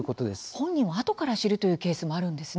本人も、あとから知るというケースもあるんですね。